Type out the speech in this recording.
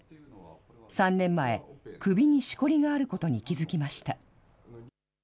３年前、首にしこりがあることに気付きました。